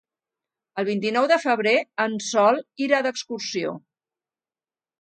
El vint-i-nou de febrer en Sol irà d'excursió.